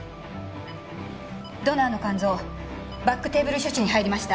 ドナーの肝臓バックテーブル処置に入りました。